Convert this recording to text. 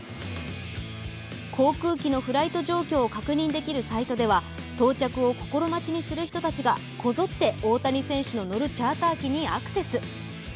航空機のフライト状況を確認できるサイトでは到着を心待ちにする人たちがこぞって大谷選手の乗るチャーター機にアクセス。